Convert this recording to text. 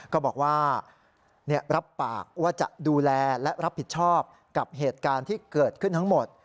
ก็บอกว่ารับปากว่าจะดูแลและรับผิดชอบกับเหตุการณ์ที่เกิดขึ้นทั้งหมด